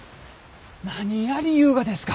何やりゆうがですか！